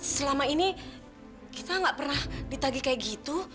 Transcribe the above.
selama ini kita gak pernah ditagi kayak gitu